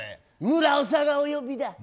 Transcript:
村長がお呼びだ。